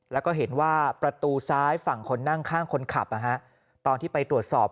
แล้วก็เห็นว่าประตูซ้ายฝั่งคนนั่งข้างคนขับตอนที่ไปตรวจสอบ